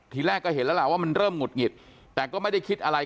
ทีแรกก็เห็นแล้วล่ะว่ามันเริ่มหุดหงิดแต่ก็ไม่ได้คิดอะไร